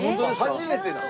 初めてなん？